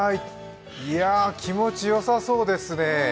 気持ちよさそうですね。